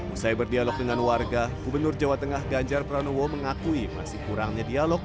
usai berdialog dengan warga gubernur jawa tengah ganjar pranowo mengakui masih kurangnya dialog